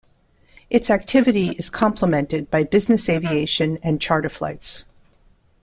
Its activity is complemented by business aviation and charter flights.